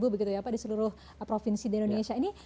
dua puluh lima begitu ya pak di seluruh provinsi di indonesia ini